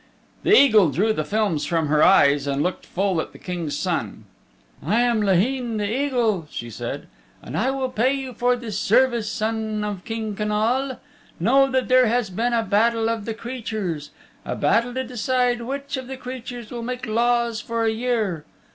The eagle drew the films from her eyes and looked full at the King's Son. "I am Laheen the Eagle," she said, "and I will pay you for this service, Son of King Connal. Know that there has been a battle of the creatures a battle to decide which of the creatures will make laws for a year.